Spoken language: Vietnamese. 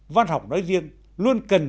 văn học nói riêng luôn cần